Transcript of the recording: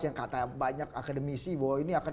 yang kata banyak akademisi bahwa ini akan